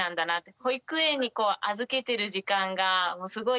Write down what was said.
保育園に預けてる時間がすごい